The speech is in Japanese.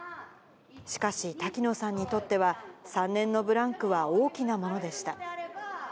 しかし、滝野さんにとっては３年のブランクは大きなものでした。